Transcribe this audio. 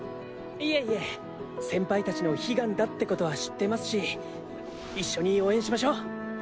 いえいえ先輩達の悲願だって事は知ってますし一緒に応援しましょう！